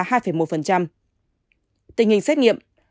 tình hình sản phẩm